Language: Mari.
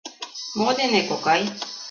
— Мо дене, кокай?